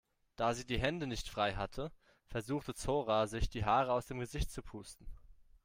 Da sie die Hände nicht frei hatte, versuchte Zora sich die Haare aus dem Gesicht zu pusten.